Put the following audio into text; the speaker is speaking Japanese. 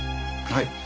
はい。